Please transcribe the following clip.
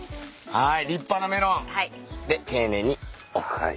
はい。